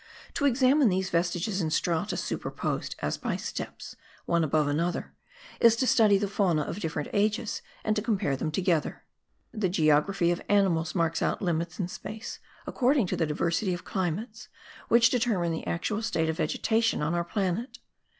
To examine these vestiges in strata superposed as by steps, one above another, is to study the Fauna of different ages and to compare them together. The geography of animals marks out limits in space, according to the diversity of climates, which determine the actual state of vegetation on our planet.